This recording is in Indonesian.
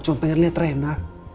cuma pengen liat rena